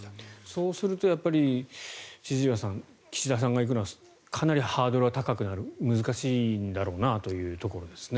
そうなると岸田さんが行くことはハードルが高くなる、難しいんだろうなというところですね。